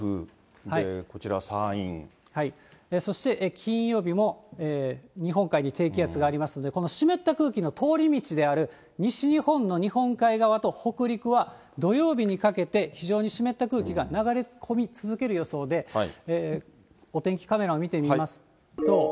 で、そして金曜日も、日本海に低気圧がありますので、この湿った空気の通り道である西日本の日本海側と北陸は、土曜日にかけて非常に湿った空気が流れ込み続ける予想で、お天気カメラを見てみますと。